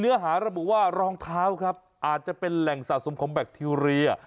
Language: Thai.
เนื้อหาระบุว่ารองเท้าครับอาจจะเป็นแหล่งสะสมของแบคทีเรีย